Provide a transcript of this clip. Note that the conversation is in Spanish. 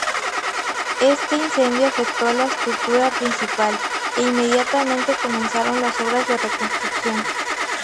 Este incendio afectó a la estructura principal, e inmediatamente comenzaron las obras de reconstrucción.